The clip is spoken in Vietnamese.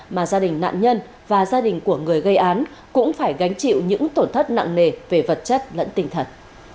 mà gia đình nạn nhân và gia đình của người gây án cũng phải gánh chịu những tổn thất nặng nề về vật chất lẫn tinh thần